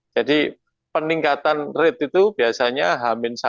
jadi peningkatan rate itu biasanya h satu